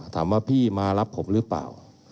ถามว่าพี่มารับผมหรือเปล่า